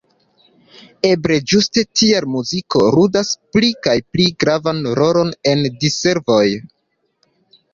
Eble ĝuste tial muziko ludas pli kaj pli gravan rolon en diservoj.